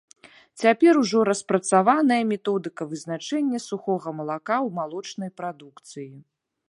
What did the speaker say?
Цяпер ужо распрацаваная методыка вызначэння сухога малака ў малочнай прадукцыі.